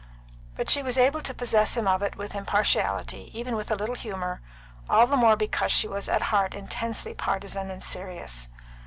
But she was able to possess him of it with impartiality, even with a little humour, all the more because she was at heart intensely partisan and serious.